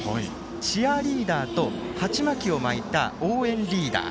チアリーダーと鉢巻きを巻いた応援リーダー